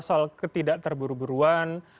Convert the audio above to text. soal ketidak terburu buruan